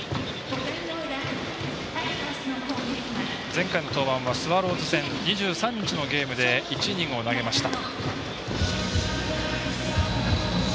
前回の登板はスワローズ戦２３日のゲームで１イニングを投げました。